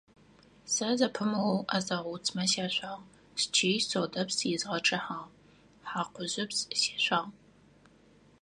Сэ зэпымыоу ӏэзэгъу уцмэ сяшъуагъ, счый содэпс изгъэчъыхьагъ, хьакъужъыпс сешъуагъ.